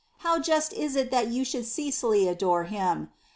How just it is that you should ceaselessly adore Him